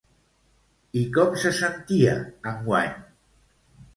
I com se sentia enguany?